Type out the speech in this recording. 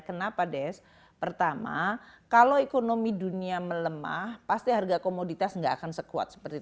kenapa des pertama kalau ekonomi dunia melemah pasti harga komoditas enggak akan sekuat seperti